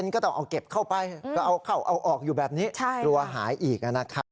ก็ต้องเอาเก็บเข้าไปก็เอาเข้าเอาออกอยู่แบบนี้กลัวหายอีกนะครับ